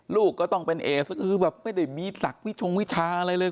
ลูกก็ต้องเป็นเอสก็คือแบบไม่ได้มีหลักวิชงวิชาอะไรเลย